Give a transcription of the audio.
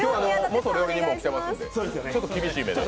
元料理人も来ていますので、厳しい目で。